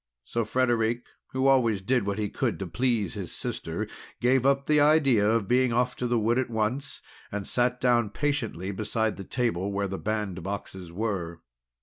So Frederic, who always did what he could to please his sister, gave up the idea of being off to the wood at once, and sat down patiently beside the table where the bandboxes were.